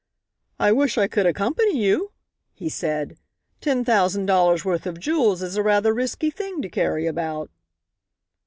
"I wish I could accompany you," he said. "Ten thousand dollars' worth of jewels is a rather risky thing to carry about."